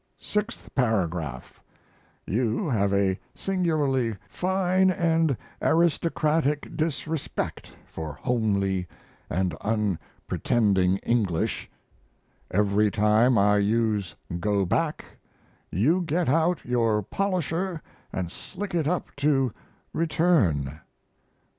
Sixth Paragraph. You have a singularly fine & aristocratic disrespect for homely & unpretending English. Every time I use "go back" you get out your polisher & slick it up to "return."